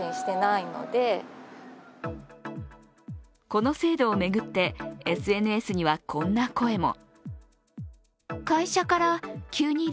この制度を巡ってＳＮＳにはこんな声も。